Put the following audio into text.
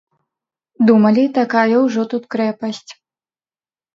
Думалі, такая ўжо тут крэпасць.